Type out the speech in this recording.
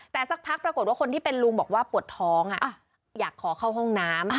แต่สักพักปรากฏว่าคนที่เป็นลุงบอกว่าปวดท้องอยากขอเข้าห้องน้ำ